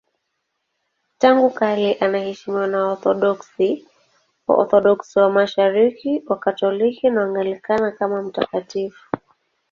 Tangu kale anaheshimiwa na Waorthodoksi, Waorthodoksi wa Mashariki, Wakatoliki na Waanglikana kama mtakatifu.